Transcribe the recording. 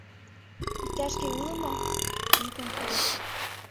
Иктаж-кӧ уло мо?.. — йӱкым пуыш.